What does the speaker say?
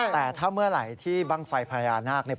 แต่ถ้าเมื่อไหร่ที่บ้างไฟพญานาคเนี่ย